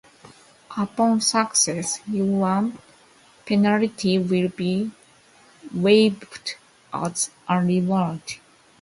Upon success, your penalty will be waived as a reward